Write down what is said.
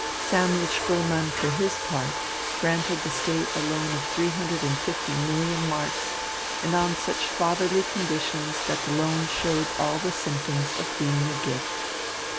Samuel Spoelmann, for his part, granted the State a loan of three hundred and fifty million marks, and on such fatherly conditions that the loan showed all the symptoms of being a gift.